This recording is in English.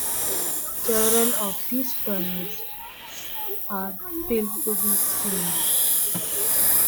Several of these tunnels are still to be seen.